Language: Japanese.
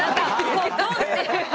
もうドン！っていう。